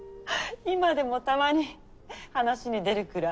今でもたまに話に出るくらい。